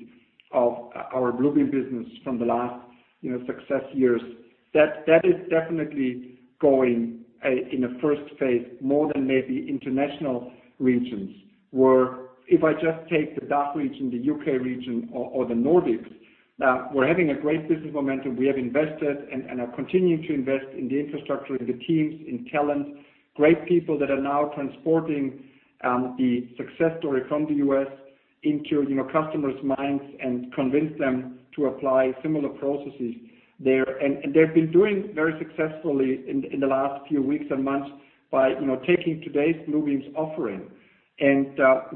Speaker 3: of our Bluebeam business from the last success years, that is definitely going in a first phase more than maybe international regions. Where if I just take the DACH region, the U.K. region or the Nordics, we're having a great business momentum. We have invested and are continuing to invest in the infrastructure, in the teams, in talent, great people that are now transporting the success story from the U.S. into customers' minds and convince them to apply similar processes there.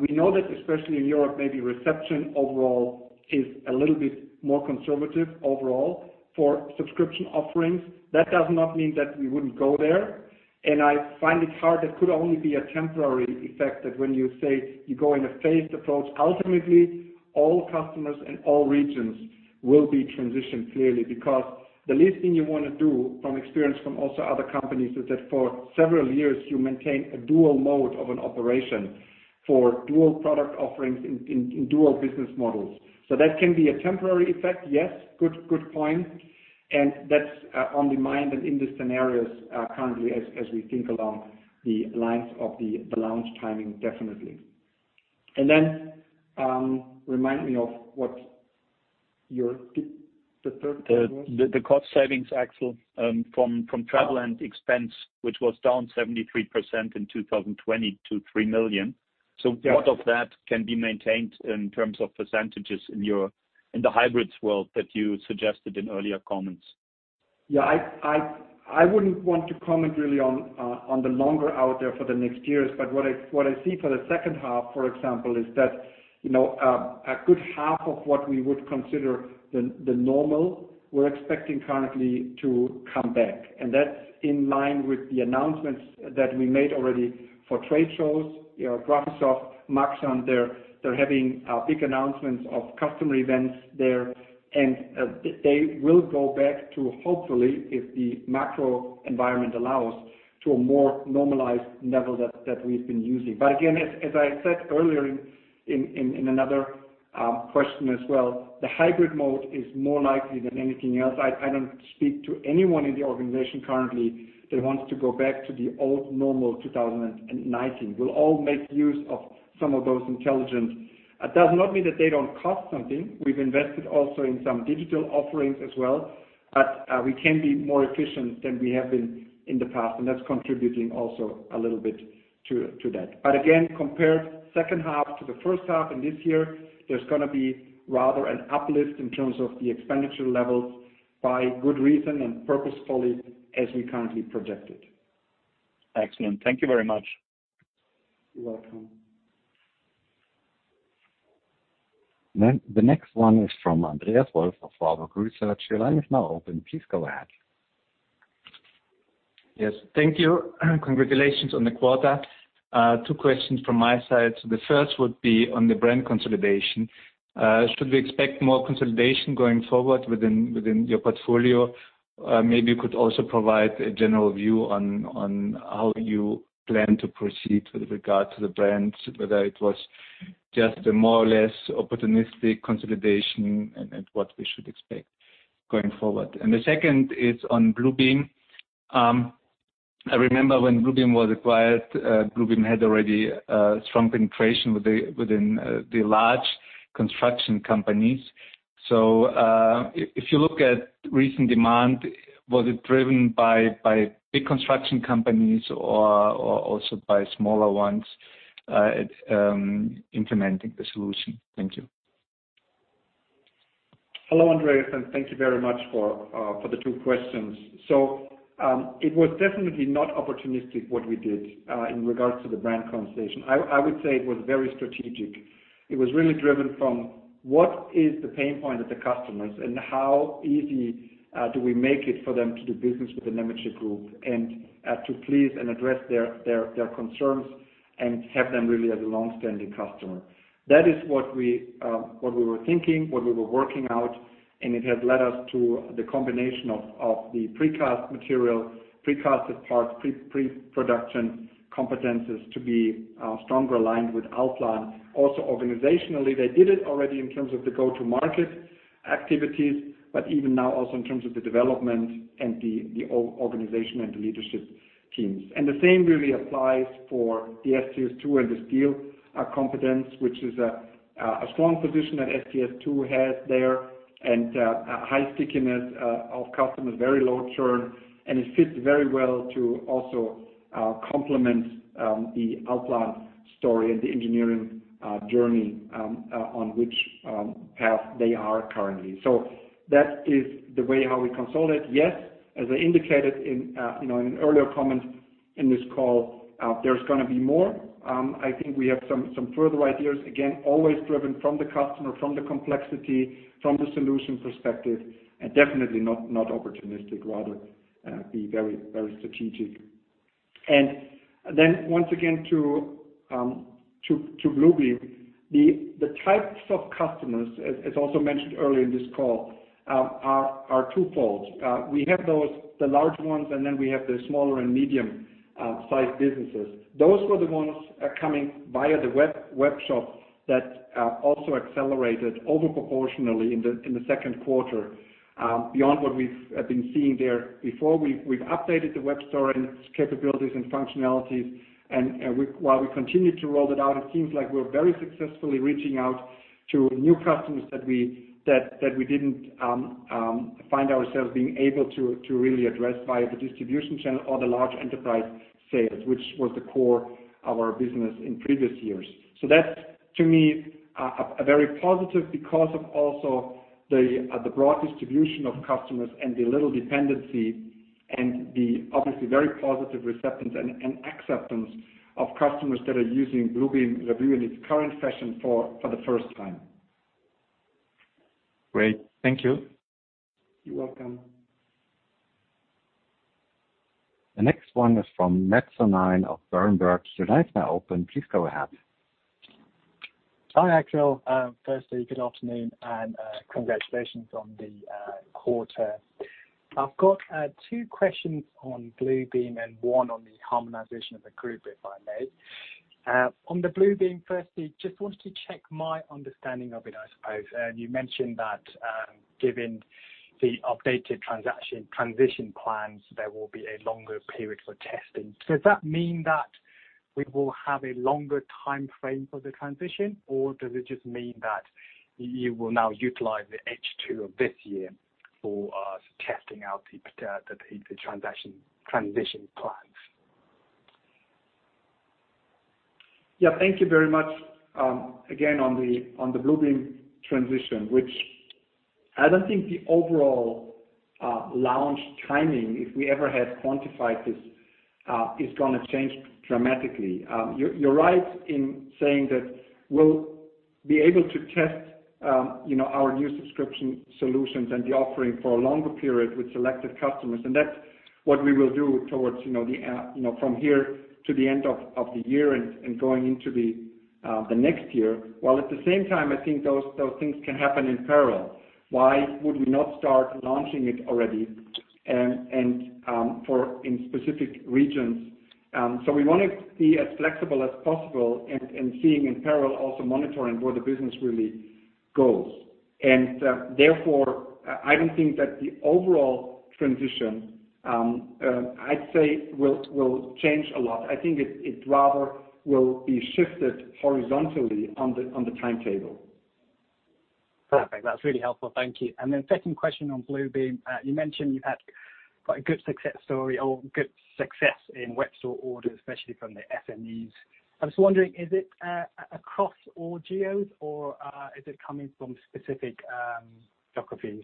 Speaker 3: We know that especially in Europe, maybe reception overall is a little bit more conservative overall for subscription offerings. That does not mean that we wouldn't go there, and I find it hard, it could only be a temporary effect that when you say you go in a phased approach, ultimately all customers in all regions will be transitioned clearly. The last thing you want to do from experience from also other companies is that for several years you maintain a dual mode of an operation for dual product offerings in dual business models. That can be a temporary effect, yes. Good point. That's on the mind and in the scenarios currently as we think along the lines of the launch timing, definitely. Remind me of what your, the third thing was.
Speaker 9: The cost savings, Axel, from travel and expense, which was down 73% in 2020 to 3 million.
Speaker 3: Yes.
Speaker 9: What of that can be maintained in terms of percentages in the hybrids world that you suggested in earlier comments?
Speaker 3: Yeah, I wouldn't want to comment really on the longer out there for the next years. What I see for the second half, for example, is that a good half of what we would consider the normal, we're expecting currently to come back. That's in line with the announcements that we made already for trade shows, Graphisoft, Maxon, they're having big announcements of customer events there, and they will go back to, hopefully, if the macro environment allows, to a more normalized level that we've been using. Again, as I said earlier in another question as well, the hybrid mode is more likely than anything else. I don't speak to anyone in the organization currently that wants to go back to the old normal 2019. We'll all make use of some of those intelligence. That does not mean that they don't cost something. We've invested also in some digital offerings as well, but we can be more efficient than we have been in the past, and that's contributing also a little bit to that. Again, compared second half to the first half in this year, there's going to be rather an uplift in terms of the expenditure levels by good reason and purposefully as we currently projected.
Speaker 9: Excellent. Thank you very much.
Speaker 3: You're welcome.
Speaker 1: The next one is from Andreas Wolf of Warburg Research. Your line is now open. Please go ahead.
Speaker 10: Thank you. Congratulations on the quarter. 2 questions from my side. The 1st would be on the brand consolidation. Should we expect more consolidation going forward within your portfolio? Maybe you could also provide a general view on how you plan to proceed with regard to the brands, whether it was just a more or less opportunistic consolidation and what we should expect going forward. The 2nd is on Bluebeam. I remember when Bluebeam was acquired, Bluebeam had already strong penetration within the large construction companies. If you look at recent demand, was it driven by big construction companies or also by smaller ones implementing the solution? Thank you.
Speaker 3: Hello, Andreas, and thank you very much for the two questions. It was definitely not opportunistic what we did in regards to the brand consolidation. I would say it was very strategic. It was really driven from what is the pain point of the customers and how easy do we make it for them to do business with the Nemetschek Group and to please and address their concerns and have them really as a long-standing customer. That is what we were thinking, what we were working out, and it has led us to the combination of the precast material, precast parts, pre-production competencies to be stronger aligned with Allplan. Also, organizationally, they did it already in terms of the go-to-market activities, but even now also in terms of the development and the organization and the leadership teams. The same really applies for the SDS2 and the steel competence, which is a strong position that SDS2 has there and high stickiness of customers, very low churn, and it fits very well to also complement the Allplan story and the engineering journey, on which path they are currently. That is the way how we consolidate. Yes, as I indicated in an earlier comment in this call, there's going to be more. I think we have some further ideas, again, always driven from the customer, from the complexity, from the solution perspective, and definitely not opportunistic, rather be very strategic. Once again to Bluebeam, the types of customers, as also mentioned earlier in this call, are twofold. We have the large ones, and then we have the smaller and medium-sized businesses. Those were the ones coming via the web shop that also accelerated over proportionally in the second quarter beyond what we've been seeing there before. We've updated the web store and its capabilities and functionalities, and while we continue to roll it out, it seems like we're very successfully reaching out to new customers that we didn't find ourselves being able to really address via the distribution channel or the large enterprise sales, which was the core of our business in previous years. That's, to me, a very positive because of also the broad distribution of customers and the little dependency and the obviously very positive acceptance of customers that are using Bluebeam Revu in its current fashion for the first time.
Speaker 10: Great. Thank you.
Speaker 3: You're welcome.
Speaker 1: The next one is from Gustav Froberg of Berenberg.
Speaker 11: Hi, Axel. Firstly, good afternoon and congratulations on the quarter. I've got 2 questions on Bluebeam and 1 on the harmonization of the group, if I may. On the Bluebeam, firstly, just wanted to check my understanding of it, I suppose. You mentioned that given the updated transition plans, there will be a longer period for testing. Does that mean that we will have a longer timeframe for the transition, or does it just mean that you will now utilize the H2 of this year for testing out the transition plans?
Speaker 3: Yeah. Thank you very much. Again, on the Bluebeam transition, which I don't think the overall launch timing, if we ever had quantified this, is going to change dramatically. You're right in saying that we'll be able to test our new subscription solutions and the offering for a longer period with selected customers, and that's what we will do from here to the end of the year and going into the next year. While at the same time, I think those things can happen in parallel. Why would we not start launching it already and in specific regions? We want to be as flexible as possible and seeing in parallel, also monitoring where the business really goes. Therefore, I don't think that the overall transition, I'd say, will change a lot. I think it rather will be shifted horizontally on the timetable.
Speaker 11: Perfect. That's really helpful. Thank you. Second question on Bluebeam. You mentioned you've had quite a good success in web store orders, especially from the SMEs. I'm just wondering, is it across all geos or is it coming from specific geographies?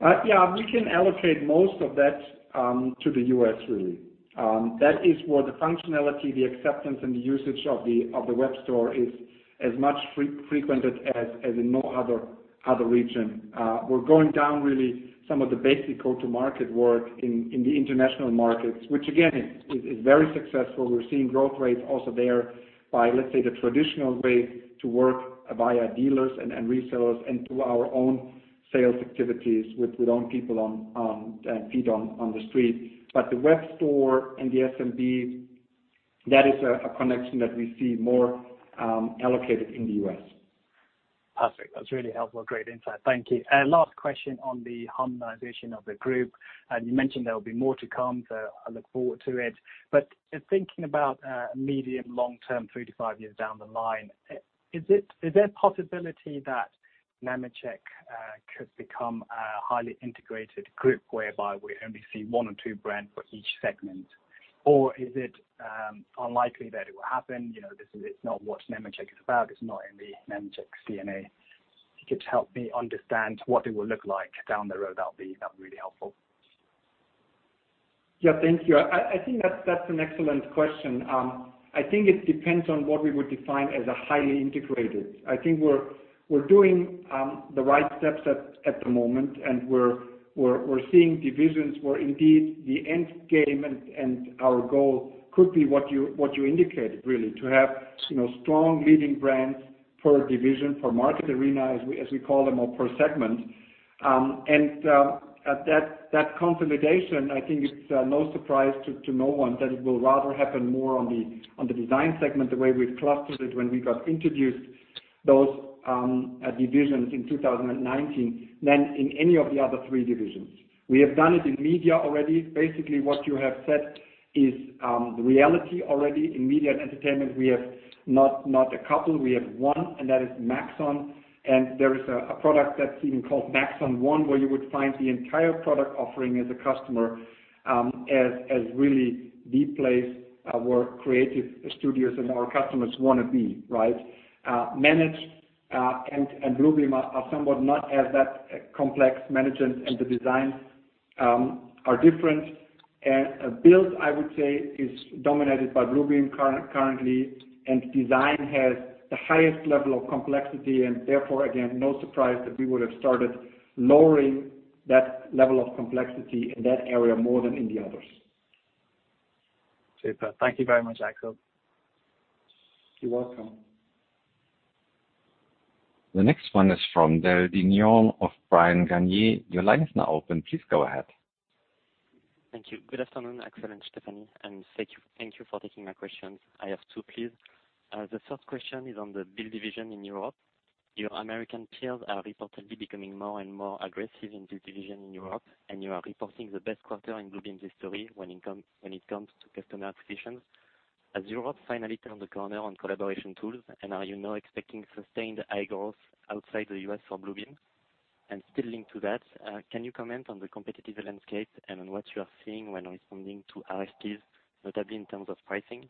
Speaker 3: Yeah. We can allocate most of that to the U.S., really. That is where the functionality, the acceptance, and the usage of the web store is as much frequented as in no other region. We're going down really some of the basic go-to-market work in the international markets, which again, is very successful. We're seeing growth rates also there by, let's say, the traditional way to work via dealers and resellers and through our own sales activities with own people on the street. The web store and the SMB, that is a connection that we see more allocated in the U.S.
Speaker 11: Perfect. That's really helpful. Great insight. Thank you. Last question on the harmonization of the group. You mentioned there will be more to come, I look forward to it. Thinking about medium, long-term, three to five years down the line, is there a possibility that Nemetschek could become a highly integrated group whereby we only see one or two brands for each segment? Is it unlikely that it will happen? It's not what Nemetschek is about. It's not in the Nemetschek DNA. If you could help me understand what it will look like down the road, that would be really helpful.
Speaker 3: Yeah. Thank you. I think that's an excellent question. I think it depends on what we would define as a highly integrated. I think we're doing the right steps at the moment, and we're seeing divisions where indeed the end game and our goal could be what you indicated, really, to have strong leading brands per division, per market arena, as we call them, or per segment. That consolidation, I think it's no surprise to no one that it will rather happen more on the design segment, the way we've clustered it when we got introduced those divisions in 2019, than in any of the other 3 divisions. We have done it in media already. Basically, what you have said is the reality already. In media and entertainment, we have not a couple, we have 1, and that is Maxon. There is a product that's even called Maxon One, where you would find the entire product offering as a customer, as really the place where creative studios and our customers want to be. Manage and Bluebeam are somewhat not as that complex. Management and the design are different. Build, I would say, is dominated by Bluebeam currently, and design has the highest level of complexity, and therefore, again, no surprise that we would have started lowering that level of complexity in that area more than in the others.
Speaker 11: Super. Thank you very much, Axel.
Speaker 3: You're welcome.
Speaker 1: The next one is from David Vignon of Bryan Garnier. Your line is now open. Please go ahead.
Speaker 12: Thank you. Good afternoon, Axel Kaufmann and Stefanie Zimmermann, thank you for taking my questions. I have two, please. The first question is on the build division in Europe. Your U.S. peers are reportedly becoming more and more aggressive in the division in Europe, you are reporting the best quarter in Bluebeam history when it comes to customer acquisitions. Has Europe finally turned the corner on collaboration tools, are you now expecting sustained high growth outside the U.S. for Bluebeam? Still linked to that, can you comment on the competitive landscape and on what you are seeing when responding to RFPs, notably in terms of pricing?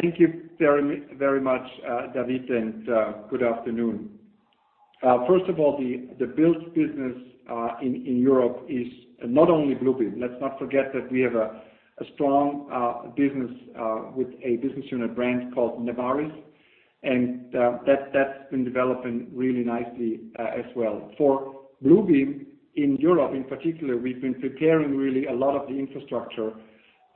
Speaker 3: Thank you very much, David, good afternoon. First of all, the build business in Europe is not only Bluebeam. Let's not forget that we have a strong business with a business unit brand called Nevaris, that's been developing really nicely as well. For Bluebeam in Europe in particular, we've been preparing really a lot of the infrastructure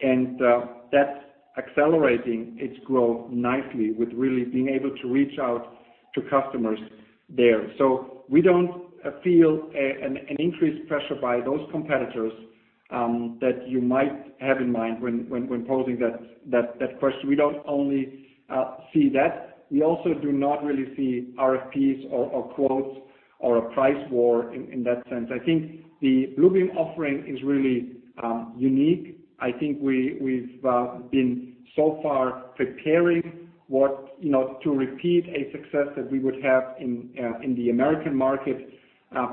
Speaker 3: that's accelerating its growth nicely with really being able to reach out to customers there. We don't feel an increased pressure by those competitors that you might have in mind when posing that question. We don't only see that. We also do not really see RFPs or quotes or a price war in that sense. I think the Bluebeam offering is really unique. I think we've been so far preparing to repeat a success that we would have in the U.S. market,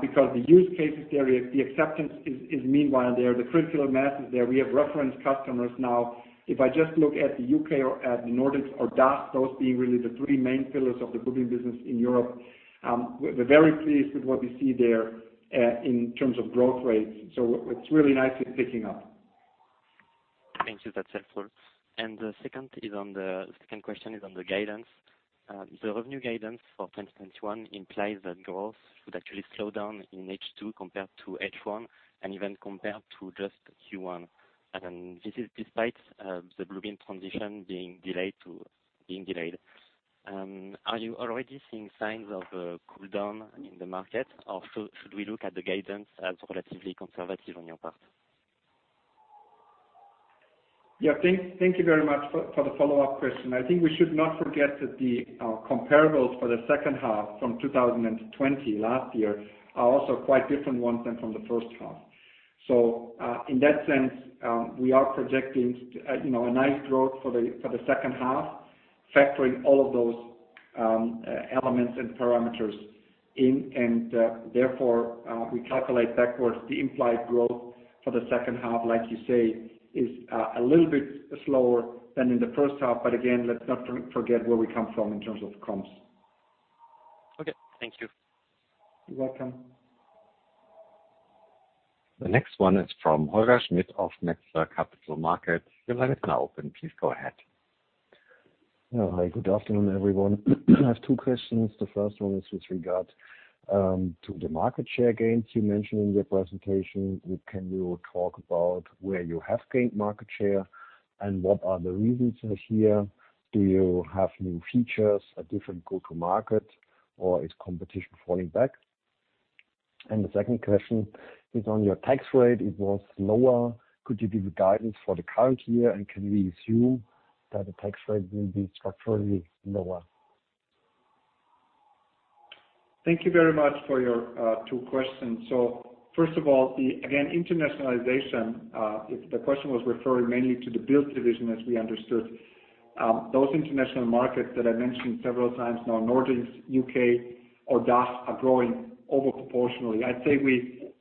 Speaker 3: because the use cases there, the acceptance is meanwhile there, the critical mass is there. We have reference customers now. If I just look at the U.K. or at the Nordics or DACH, those being really the three main pillars of the Bluebeam business in Europe, we're very pleased with what we see there in terms of growth rates. It's really nicely picking up.
Speaker 12: Thank you. That's helpful. The second question is on the guidance. The revenue guidance for 2021 implies that growth should actually slow down in H2 compared to H1 and even compared to just Q1. This is despite the Bluebeam transition being delayed. Are you already seeing signs of a cool down in the market or should we look at the guidance as relatively conservative on your part?
Speaker 3: Yeah. Thank you very much for the follow-up question. I think we should not forget that the comparables for the second half from 2020 last year are also quite different ones than from the first half. In that sense, we are projecting a nice growth for the second half, factoring all of those elements and parameters in, and therefore, we calculate backwards the implied growth for the second half, like you say, is a little bit slower than in the first half. Again, let's not forget where we come from in terms of comps.
Speaker 12: Okay. Thank you.
Speaker 3: You're welcome.
Speaker 1: The next one is from Holger Schmidt of Metzler Capital Markets. Your line is now open. Please go ahead.
Speaker 13: Hi. Good afternoon, everyone. I have 2 questions. The first one is with regard to the market share gains you mentioned in your presentation. Can you talk about where you have gained market share and what are the reasons here? Do you have new features, a different go-to market, or is competition falling back? The second question is on your tax rate. It was lower. Could you give the guidance for the current year, and can we assume that the tax rate will be structurally lower?
Speaker 3: Thank you very much for your 2 questions. First of all, again, internationalization, if the question was referring mainly to the build division as we understood, those international markets that I mentioned several times now, Nordics, U.K. or DACH, are growing over proportionally. I'd say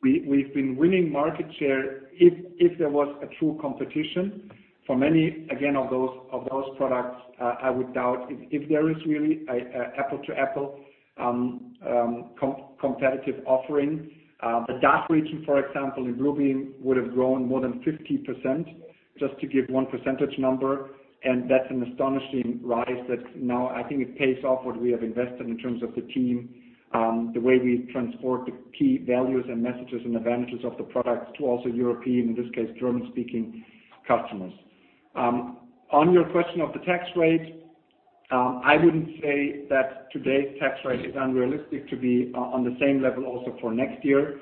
Speaker 3: we've been winning market share, if there was a true competition for many, again, of those products, I would doubt if there is really an apple-to-apple competitive offering. The DACH region, for example, in Bluebeam, would have grown more than 50%, just to give 1 percentage number, and that's an astonishing rise that now I think it pays off what we have invested in terms of the team, the way we transport the key values and messages and advantages of the products to also European, in this case, German-speaking customers. On your question of the tax rate, I wouldn't say that today's tax rate is unrealistic to be on the same level also for next year.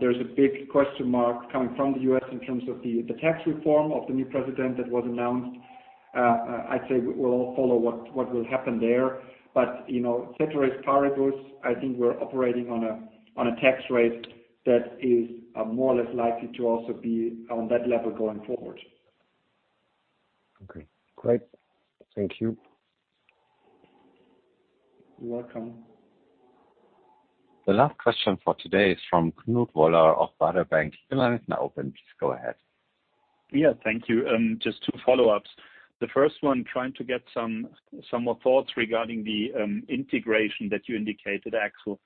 Speaker 3: There's a big question mark coming from the U.S. in terms of the tax reform of the new president that was announced. I'd say we'll all follow what will happen there. Ceteris paribus, I think we're operating on a tax rate that is more or less likely to also be on that level going forward.
Speaker 13: Okay, great. Thank you.
Speaker 3: You're welcome.
Speaker 1: The last question for today is from Knut Woller of Baader Bank. Your line is now open. Please go ahead.
Speaker 9: Thank you. Just 2 follow-ups. The first one, trying to get some more thoughts regarding the integration that you indicated, Axel.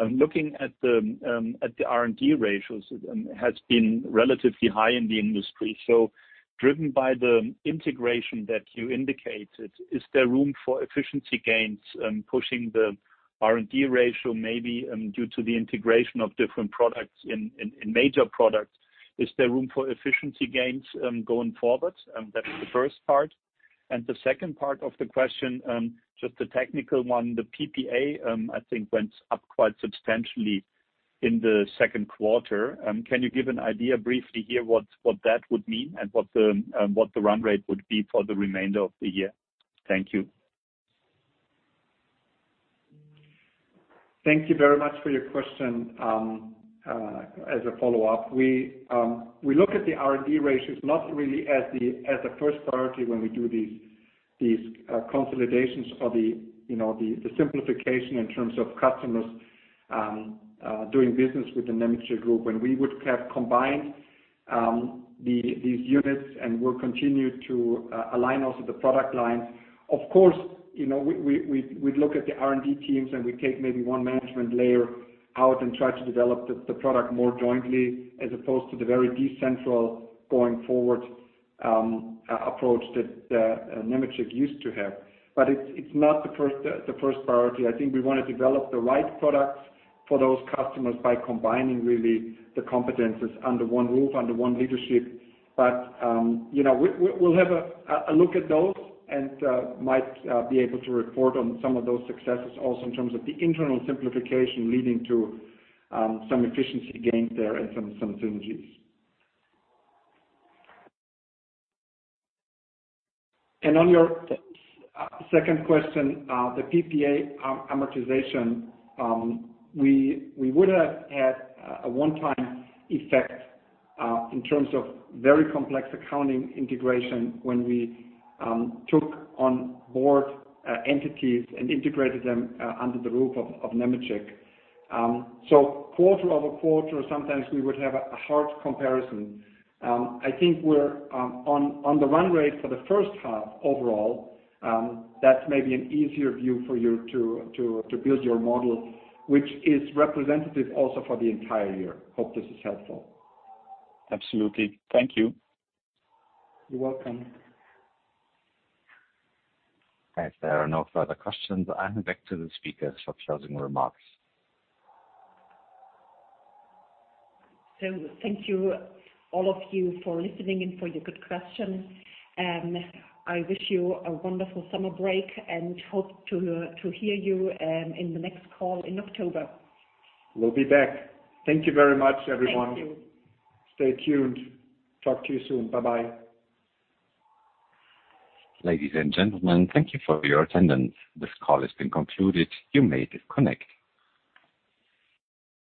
Speaker 9: Looking at the R&D ratios, it has been relatively high in the industry. Driven by the integration that you indicated, is there room for efficiency gains, pushing the R&D ratio, maybe due to the integration of different products in major products, is there room for efficiency gains going forward? That's the first part. The second part of the question, just a technical 1. The PPA, I think, went up quite substantially in the second quarter. Can you give an idea briefly here what that would mean and what the run rate would be for the remainder of the year? Thank you.
Speaker 3: Thank you very much for your question. As a follow-up, we look at the R&D ratios not really as the first priority when we do these consolidations or the simplification in terms of customers doing business with the Nemetschek Group. When we would have combined these units and will continue to align also the product lines. Of course, we'd look at the R&D teams and we take maybe one management layer out and try to develop the product more jointly as opposed to the very decentral going forward approach that Nemetschek used to have. It's not the first priority. I think we want to develop the right products for those customers by combining really the competencies under one roof, under one leadership. We'll have a look at those and might be able to report on some of those successes also in terms of the internal simplification leading to some efficiency gains there and some synergies. On your second question, the PPA amortization, we would have had a 1-time effect in terms of very complex accounting integration when we took on board entities and integrated them under the roof of Nemetschek. Quarter-over-quarter, sometimes we would have a hard comparison. I think we're on the run rate for the 1st half overall. That's maybe an easier view for you to build your model, which is representative also for the entire year. Hope this is helpful.
Speaker 9: Absolutely. Thank you.
Speaker 3: You're welcome.
Speaker 1: As there are no further questions, I hand back to the speakers for closing remarks.
Speaker 2: Thank you, all of you, for listening and for your good questions. I wish you a wonderful summer break and hope to hear you in the next call in October.
Speaker 3: We'll be back. Thank you very much, everyone.
Speaker 2: Thank you.
Speaker 3: Stay tuned. Talk to you soon. Bye-bye.
Speaker 1: Ladies and gentlemen, thank you for your attendance. This call has been concluded. You may disconnect.